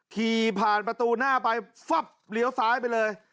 ขี่ผ่านประตูหน้าไปฟับเลี้ยวซ้ายไปเลย